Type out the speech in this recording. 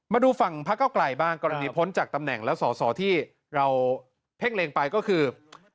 มาดูฝั่งพระเก้าไกลบ้างกรณีพ้นจากตำแหน่งและสอสอที่เราเพ่งเล็งไปก็คือ